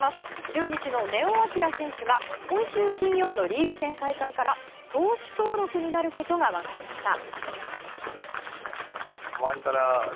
中日の根尾昂選手が今週金曜のリーグ戦再開から投手登録になることが分かりました。